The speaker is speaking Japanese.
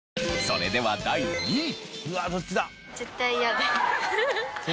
それでは第２位。